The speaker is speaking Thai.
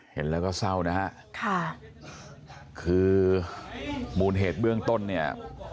เห็นแล้วก็เศร้านะฮะค่ะคือมูลเหตุเบื้องต้นเนี่ย